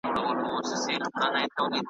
خر د هري ورځي بار ته په کاریږي .